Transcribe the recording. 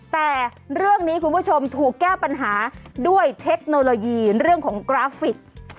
แต่เรื่องนี้คุณผู้ชมถูกแก้ปัญหาด้วยเทคโนโลยีเรื่องของกราฟิก